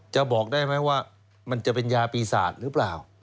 บอกได้ไหมว่ามันจะเป็นยาปีศาจหรือเปล่า